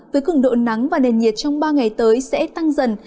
với cứng độ nắng và nền nhiệt trong ba ngày tới sẽ tăng dần